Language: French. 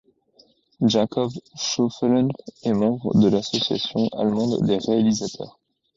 Jakob Schäuffelen est membre de l'association allemande des réalisateurs.